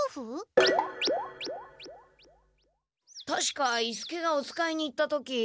たしか伊助がお使いに行った時。